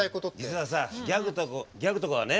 実はさギャグとかをね